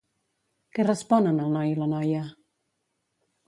Què responen el noi i la noia?